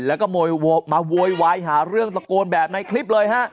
แล้วก็มาโวยวายหาเรื่องตะโกนแบบในคลิปเลยฮะ